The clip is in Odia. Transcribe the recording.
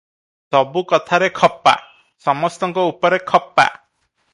ସବୁ କଥାରେ ଖପା, ସମସ୍ତଙ୍କ ଉପରେ ଖପା ।